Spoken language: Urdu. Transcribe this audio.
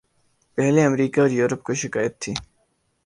پہلے امریکہ اور یورپ کو شکایت تھی۔